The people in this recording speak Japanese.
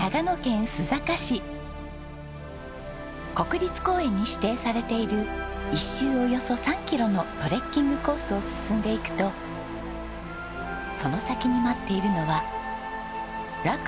ここは国立公園に指定されている一周およそ３キロのトレッキングコースを進んでいくとその先に待っているのは落差